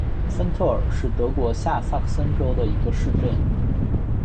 芬特尔是德国下萨克森州的一个市镇。